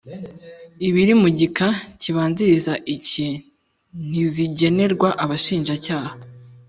Ibiri mu gika kibanziriza iki ntizigenerwa Abashinjacyaha